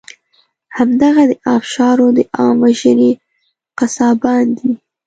همدغه د آبشارو د عام وژنې قصابان دي.